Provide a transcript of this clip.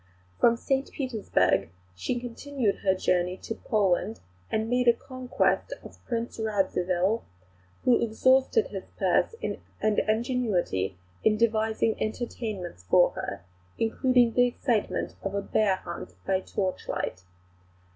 From St Petersburg she continued her journey to Poland, and made a conquest of Prince Radzivill, who exhausted his purse and ingenuity in devising entertainments for her, including the excitement of a bear hunt by torchlight.